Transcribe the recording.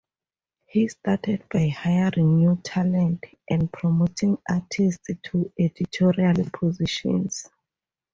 He started by hiring new talent, and promoting artists to editorial positions.